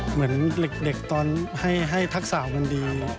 เหมือนเด็กตอนให้ทักษะกันดี